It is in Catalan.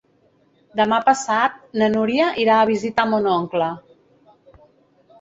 Demà passat na Núria irà a visitar mon oncle.